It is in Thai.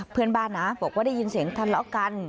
เพื่อนบ้านนะบอกว่าได้ยินเสียงทะเลาะกัน